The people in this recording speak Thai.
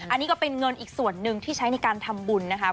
อันนี้ก็เป็นเงินอีกส่วนหนึ่งที่ใช้ในการทำบุญนะคะ